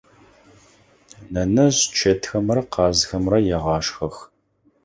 Нэнэжъ чэтхэмрэ къазхэмрэ егъашхэх.